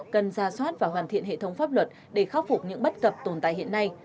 cần ra soát và hoàn thiện hệ thống pháp luật để khắc phục những bất cập tồn tại hiện nay